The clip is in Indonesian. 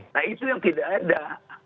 nah itu yang tidak ada